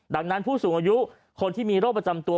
ดังนั้นผู้สูงอายุคนที่มีโรคประจำตัว